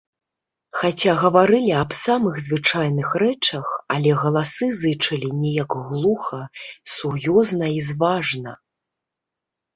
Хаця гаварылі аб самых звычайных рэчах, але галасы зычэлі неяк глуха, сур'ёзна і зважна.